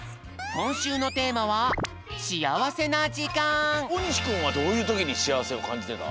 こんしゅうのテーマは大西くんはどういうときにしあわせをかんじてた？